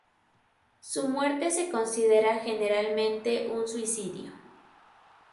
Su muerte se considera generalmente un suicidio.